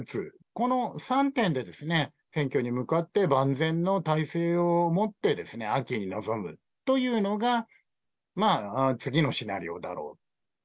この３点でですね、選挙に向かって万全の態勢をもって、秋に臨むというのが、次のシナリオだろうと。